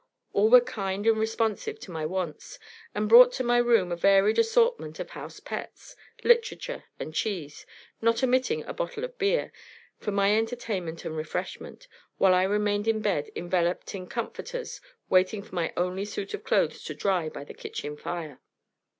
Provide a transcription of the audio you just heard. All were kind and responsive to my wants, and brought to my room a varied assortment of house pets, literature, and cheese, not omitting a bottle of beer, for my entertainment and refreshment, while I remained in bed enveloped in comforters, waiting for my only suit of clothes to dry by the kitchen fire.